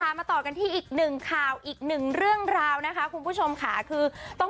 มาต่อกันที่อีกหนึ่งข่าวอีกหนึ่งเรื่องราวนะคะคุณผู้ชมค่ะคือต้อง